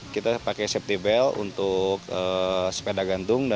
kita pakai safety belt untuk sepeda gantung